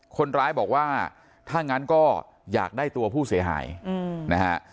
คนร้ายบอกว่าถ้างั้นก็อยากได้ตัวผู้เสียหายนะฮะ